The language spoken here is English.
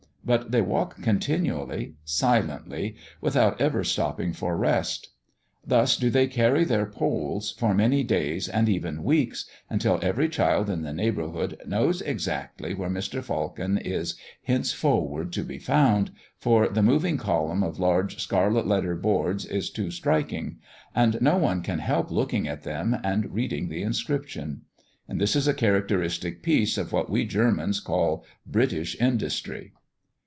But they walk continually, silently, without ever stopping for rest. Thus do they carry their poles, for many days and even weeks, until every child in the neighbourhood knows exactly where Mr. Falcon is henceforward to be found, for the moving column of large scarlet lettered boards is too striking; and no one can help looking at them and reading the inscription. And this is a characteristic piece of what we Germans call British industry.